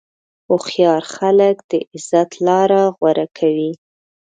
هوښیار خلک د عزت لاره غوره کوي.